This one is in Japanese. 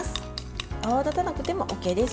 泡立たなくてもＯＫです。